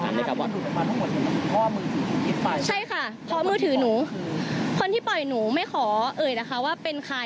ใช่ค่ะพร้อมมือถือหนูคนที่ปล่อยหนูไม่ขอเอ่ยนะคะว่าเป็นใคร